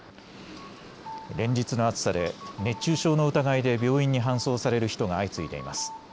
連日の暑さで熱中症の疑いで病院に搬送される人が相次いでいます。